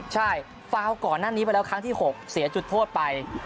ใช่ฟาวก่อนหน้านี้ไปแล้วครั้งที่๖เสียจุดโทษไป